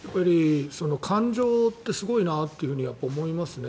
感情ってすごいなって思いますね。